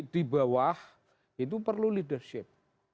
di bawah itu perlu leadership